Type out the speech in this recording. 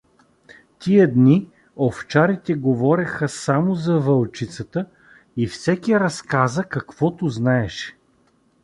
Тия дни овчарите говореха само за вълчицата и всеки разказа каквото знаеше.